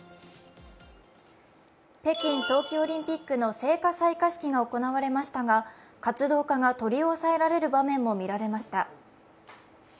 北京冬季オリンピックの聖火採火式が行われましたが、活動家が取り押さえられる場面も見られました。